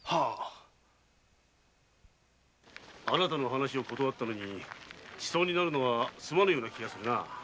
あなたの話を断ったのに馳走になるのはすまぬ気がするな。